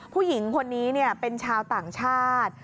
ผู้หญิงคนนี้เป็นชาวต่างชาติ